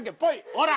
ほら！